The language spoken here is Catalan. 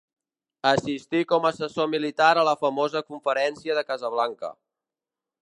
Assistí com assessor militar a la famosa Conferència de Casablanca.